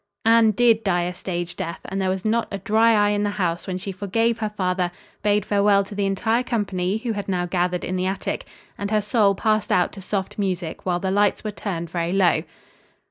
Anne did die a stage death, and there was not a dry eye in the house when she forgave her father, bade farewell to the entire company, who had now gathered in the attic, and her soul passed out to soft music while the lights were turned very low.